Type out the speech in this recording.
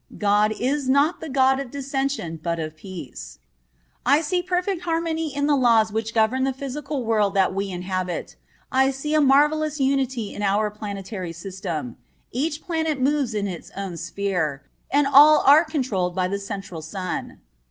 "God is not the God of dissension, but of peace."(26) I see perfect harmony in the laws which govern the physical world that we inhabit. I see a marvelous unity in our planetary system. Each planet moves in its own sphere, and all are controlled by the central Sun.